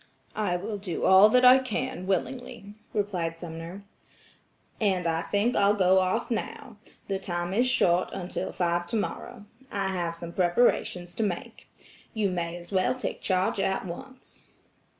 "I will do all that I can willingly," replied Sumner. "And I think I'll go off now. The time is short until five tomorrow. I have some preparations to make. You may as well take charge at once."